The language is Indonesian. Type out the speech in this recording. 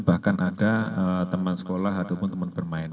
bahkan ada teman sekolah ataupun teman bermain